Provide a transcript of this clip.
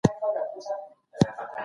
ولي انسانان یو بل په اسانۍ سره غولوي؟